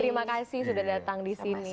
terima kasih sudah datang di sini